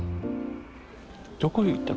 どこへ行った？